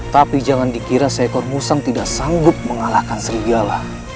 tapi jangan dikira seekor musang tidak sanggup mengalahkan serigala